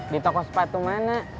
di toko sepatu mana